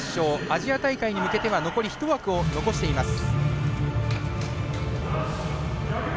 アジア大会に向けては残り１枠を残しています。